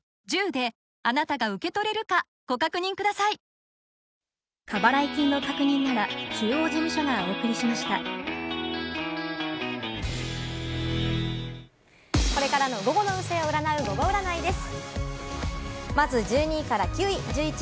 西日本はこれからの午後の運勢を占う、ゴゴ占いです。